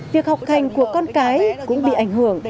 việc học hành của con cái cũng bị ảnh hưởng